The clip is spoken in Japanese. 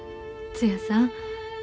つやさん。